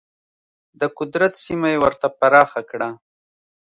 د قدرت سیمه یې ورته پراخه کړه.